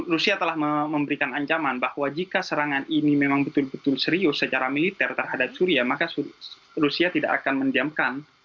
rusia telah memberikan ancaman bahwa jika serangan ini memang betul betul serius secara militer terhadap syria maka rusia tidak akan menjamkan